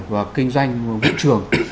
và kinh doanh vụ trường